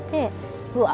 うわ